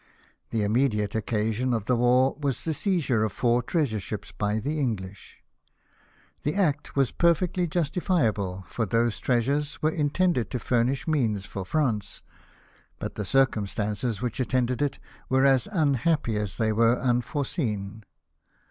The immediate occasion of the war was the seizure of four treasure ships by the English. The HOSTILITIES WITH SPAIN. 283 act was perfectly justifiable, for those treasures were intended to furnish means for France ; but the cir cumstances which attended it were as unhappy as they were unforeseen.